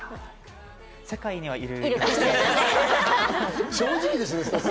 世界にはいる。